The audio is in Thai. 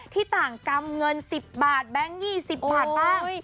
ที่ต่างกรรมเงิน๑๐บาทแบงค์๒๐บาทบ้าง